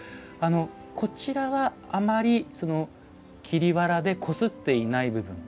こちらは、あまり桐わらでこすっていない部分。